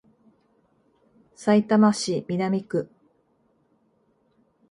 さいたま市南区